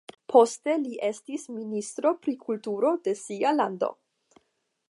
Poste li estis ministro pri kulturo de sia lando.